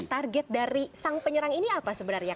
target dari sang penyerang ini apa sebenarnya